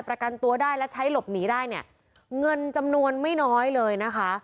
ประกันตัวได้และใช้หลบหนีได้เนี่ยเงินจำนวนไม่น้อยเลยนะคะ